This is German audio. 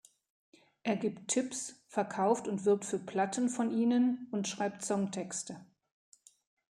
Er gibt Tipps, verkauft und wirbt für Platten von ihnen und schreibt Songtexte.